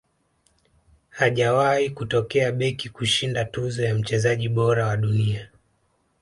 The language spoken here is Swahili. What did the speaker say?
hajawahi kutokea beki kushinda tuzo ya mchezaji bora wa dunia